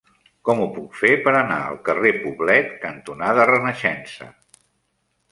Com ho puc fer per anar al carrer Poblet cantonada Renaixença?